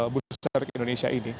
bursa efek indonesia ini